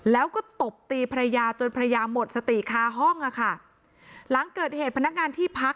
แล้วก็ตบตีภรรยาจนภรรยาหมดสติคาห้องอ่ะค่ะหลังเกิดเหตุพนักงานที่พัก